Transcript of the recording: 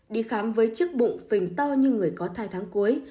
đi khám với chiếc bụng phình to như người có thai tháng cuối